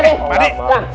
tepuk alik pak dek